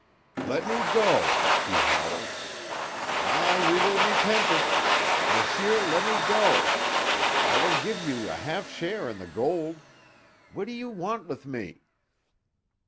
"Let me go!" he howled. "Ah, you will repent it! Monsieur, let me go! I will give you a half share in the gold. What do you want with me?"